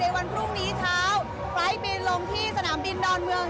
วันพรุ่งนี้เช้าไฟล์บินลงที่สนามบินดอนเมือง